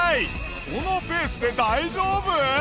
このペースで大丈夫？